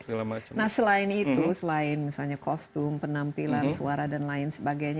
nah selain itu selain misalnya kostum penampilan suara dan lain sebagainya